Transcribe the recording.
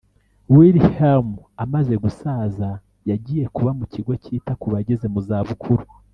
Wilhelm amaze gusaza yagiye kuba mu kigo cyita ku bageze mu zabukuru